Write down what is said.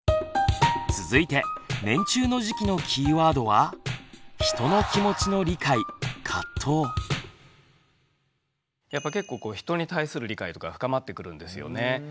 続いて年中の時期のキーワードはやっぱ結構人に対する理解とか深まってくるんですよね。